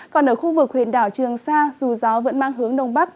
còn ở khu vực huyện đảo trường sa dù gió vẫn mang hướng đông bắc